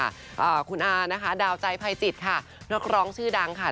อ่าคุณอานะคะดาวใจภัยจิตค่ะนักร้องชื่อดังค่ะ